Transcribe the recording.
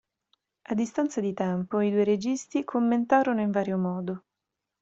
A distanza di tempo i due registi commentarono in vario modo.